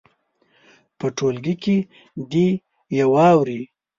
په ټولګي کې دې یې واوروي.